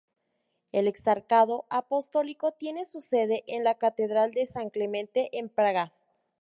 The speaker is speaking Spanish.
El exarcado apostólico tiene su sede en la Catedral de San Clemente en Praga.